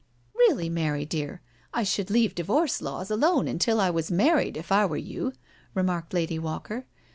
" Really, Mary dear, I should leave divorce laws alone until I was married, if I were you," remarked Lady Walker.